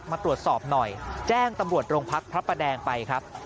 มาตรวจสอบหน่อยแจ้งตำรวจโรงพักพระประแดงไปครับ